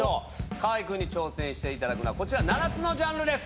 河合君に挑戦していただくのはこちら７つのジャンルです。